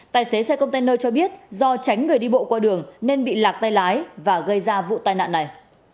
tài xế xe container cho biết do tránh người đi bộ qua đường nên bị lạc tay lái và gây ra vụ tai nạn này